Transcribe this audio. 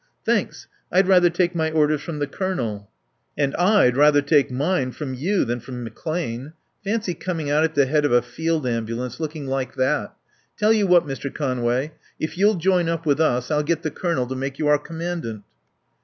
"Thanks. I'd rather take my orders from the Colonel." "And I'd rather take mine from you than from McClane. Fancy coming out at the head of a Field Ambulance looking like that. Tell you what, Mr. Conway, if you'll join up with us I'll get the Colonel to make you our commandant."